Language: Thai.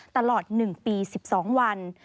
ตลอด๑ปี๑๒วัน